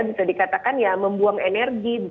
bisa dikatakan ya membuang energi